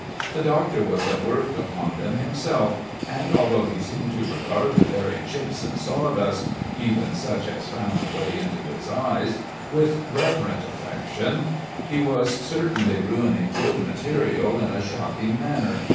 The doctor was at work upon them himself, and although he seemed to regard the very chips and sawdust even such as found a way into his eyes with a reverent affection, he was certainly ruining good material in a shocking manner.